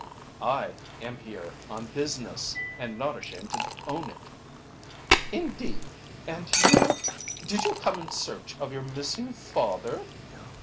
"I am here on business, and not ashamed to own it." "Indeed. And you did you come in search of your missing father?"